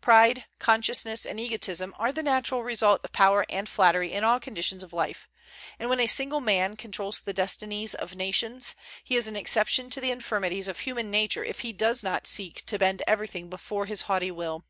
Pride, consciousness, and egotism are the natural result of power and flattery in all conditions of life; and when a single man controls the destinies of nations, he is an exception to the infirmities of human nature if he does not seek to bend everything before his haughty will.